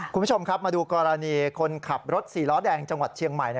คุณผู้ชมครับมาดูกรณีคนขับรถสี่ล้อแดงจังหวัดเชียงใหม่